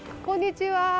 こんにちは。